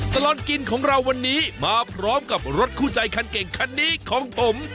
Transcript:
ตลอดกินของเราวันนี้มาพร้อมกับรถคู่ใจคันเก่งคันนี้ของผม